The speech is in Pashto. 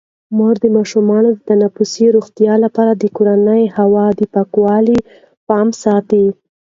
مور د ماشومانو د تنفسي روغتیا لپاره د کورني هوا د پاکوالي پام ساتي.